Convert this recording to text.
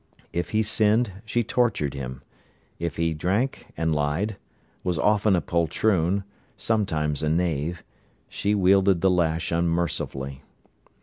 If he sinned, she tortured him. If he drank, and lied, was often a poltroon, sometimes a knave, she wielded the lash unmercifully.